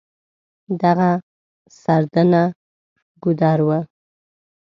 دغه سردنه ګودر و.